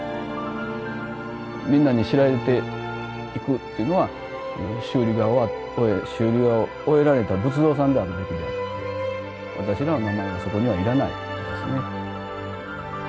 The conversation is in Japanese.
みんなに知られていくっていうのは修理を終えられた仏像さんであるべきであって私らの名前はそこにはいらないですね。